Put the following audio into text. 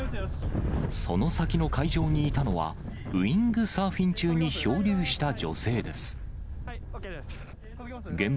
その先の海上にいたのは、ウイングサーフィン中に漂流した女性です。